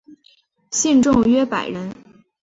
信众约百人。